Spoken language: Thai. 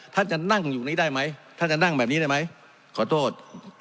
ท่านจะนั่งอยู่นี้ได้ไหมท่านจะนั่งแบบนี้ได้ไหมขอโทษ